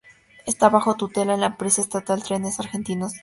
Está bajo tutela de la empresa estatal Trenes Argentinos Cargas.